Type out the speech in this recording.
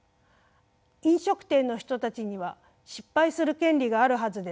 飲食店の人たちには失敗する権利があるはずです。